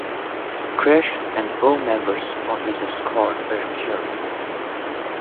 Krech and four members of his escort were killed.